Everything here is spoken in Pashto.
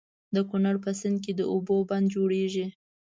د کنړ په سيند د اوبو بند جوړيږي.